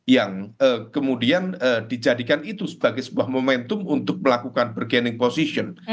yang kemudian dijadikan itu sebagai sebuah momentum untuk melakukan bergening position